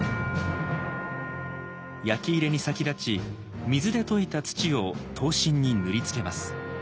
焼き入れに先立ち水で溶いた土を刀身に塗りつけます。